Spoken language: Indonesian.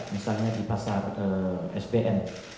misalnya di pasar sbm